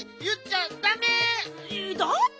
だって。